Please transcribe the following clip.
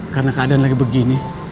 karena keadaan lagi begini